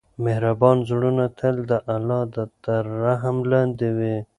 مهربان زړونه تل د الله تر رحم لاندې وي.